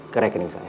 ke rekening saya